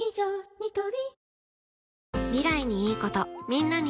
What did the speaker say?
ニトリ